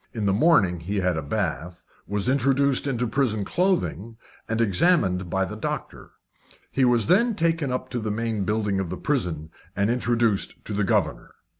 In the morning he had a bath, was inducted into prison clothing, and examined by the doctor. He was then taken up to the main building of the prison, and introduced to the governor.